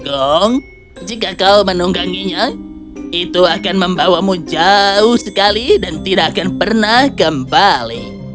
kuda yang dikejar dengan suara gong jika kau menungganginya itu akan membawamu jauh sekali dan tidak akan pernah kembali